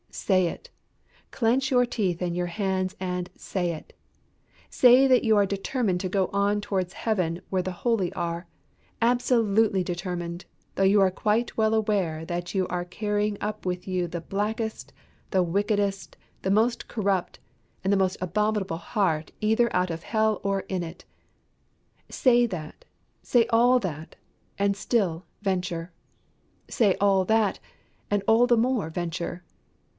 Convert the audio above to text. Say it; clench your teeth and your hands and say it. Say that you are determined to go on towards heaven where the holy are absolutely determined, though you are quite well aware that you are carrying up with you the blackest, the wickedest, the most corrupt, and the most abominable heart either out of hell or in it. Say that, say all that, and still venture. Say all that and all the more venture.